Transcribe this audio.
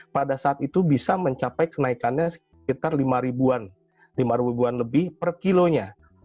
pada saat itu bisa mencapai kenaikannya sekitar lima ribuan lima ribuan lebih per kilonya